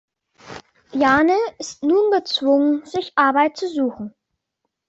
Jane ist nun gezwungen sich Arbeit zu suchen.